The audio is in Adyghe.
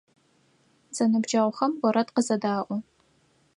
Зэныбджэгъухэм орэд къызэдаӏо.